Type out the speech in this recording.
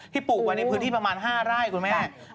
ปลูกไว้ในพื้นที่ประมาณ๕ไร่คุณแม่